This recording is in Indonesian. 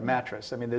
hanya dalam uang kaya